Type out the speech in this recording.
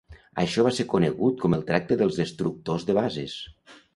Això va ser conegut com el tracte dels destructors de bases.